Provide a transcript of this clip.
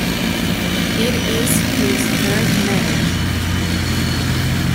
It is his third marriage.